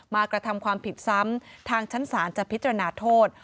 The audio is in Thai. กระทำความผิดซ้ำทางชั้นศาลจะพิจารณาโทษ